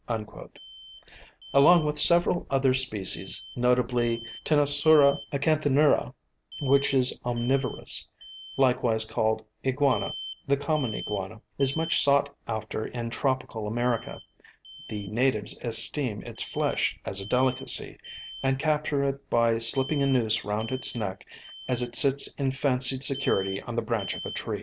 Along with several other species, notably Ctenosura acanthinura, which is omnivorous, likewise called iguana, the common iguana, is much sought after in tropical America; the natives esteem its flesh a delicacy, and capture it by slipping a noose round its neck as it sits in fancied security on the branch of a tree.